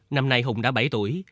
năm nay hùng đã bảy tuổi